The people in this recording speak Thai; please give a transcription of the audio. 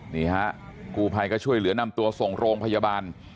นี่ฮะกูภัยก็ช่วยเหลือนำตัวส่งโรงพยาบาล